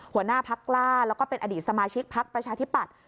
หัวหน้าพักกล้าแล้วก็เป็นอดีตสมาชิกพักประชาธิปัตย